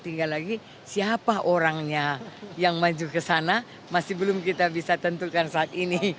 tinggal lagi siapa orangnya yang maju ke sana masih belum kita bisa tentukan saat ini